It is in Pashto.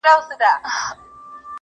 o مرگ نه پر واړه دئ، نه پر زاړه٫